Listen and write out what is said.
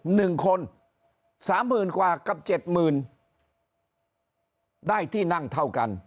หนึ่งคนสามหมื่นกว่ากับเจ็ดหมื่นได้ที่นั่งเท่ากัน